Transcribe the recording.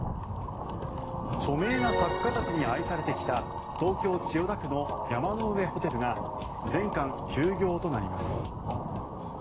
著名な作家たちに愛されてきた東京・千代田区の山の上ホテルが全館休業となります。